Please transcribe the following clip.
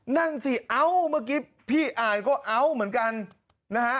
นั่นสิเอ้าเมื่อกี้พี่อ่านก็เอาเหมือนกันนะฮะ